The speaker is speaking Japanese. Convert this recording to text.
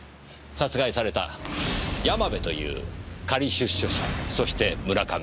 殺害された山部という仮出所者そして村上。